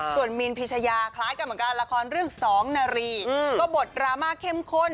ส่วนมีนพิชยาคล้ายกันเหมือนกันละครเรื่องสองนารีก็บทดราม่าเข้มข้น